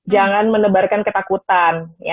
jangan menebarkan ketakutan